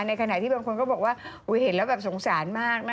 ในขณะที่บางคนก็บอกว่าอุ๊ยเห็นแล้วสงสารมาก